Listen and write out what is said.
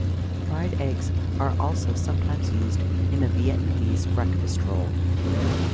Fried eggs are also sometimes used in a Vietnamese breakfast roll.